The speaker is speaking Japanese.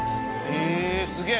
へえすげえ。